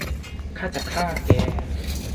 ข้าจะฆ่าแก !